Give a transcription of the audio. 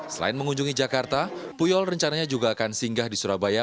selain mengunjungi jakarta puyol rencananya juga akan singgah di surabaya